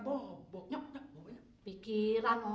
lu lu mau mau panggilin aja namanya